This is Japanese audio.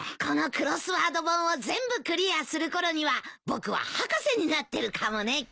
このクロスワード本を全部クリアするころには僕は博士になってるかもね。